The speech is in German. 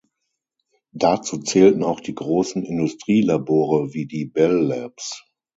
Dazu zählten auch die großen Industrielabore wie die Bell Labs.